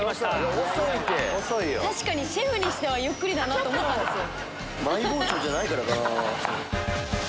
確かにシェフにしてはゆっくりだと思ったんですよ。